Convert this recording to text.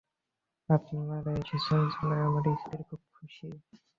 আপনারা এসেছেন শুনে আমার স্ত্রী খুব খুশি।